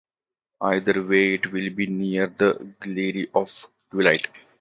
Either way it will be near the glare of twilight.